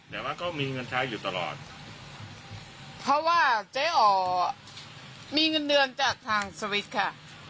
แต่ว่าก็มีเงินใช้อยู่ตลอดเพราะว่าเจ๊อ๋อมีเงินเดือนจากทางสวิตช์ค่ะ